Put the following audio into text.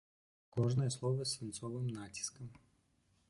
Кожнае слова з свінцовым націскам.